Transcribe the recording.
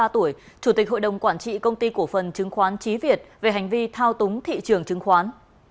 ba mươi tuổi chủ tịch hội đồng quản trị công ty cổ phần chứng khoán trí việt về hành vi thao túng thị trường chứng khoán